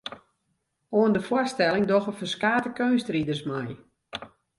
Oan de foarstelling dogge ferskate keunstriders mei.